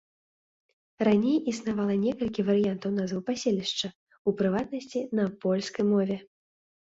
Раней існавала некалькі варыянтаў назвы паселішча, у прыватнасці, на польскай мове.